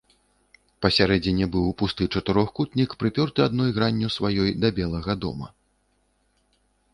Пасярэдзіне быў пусты чатырохкутнік, прыпёрты адной гранню сваёй да белага дома.